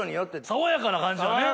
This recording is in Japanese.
爽やかな感じがね。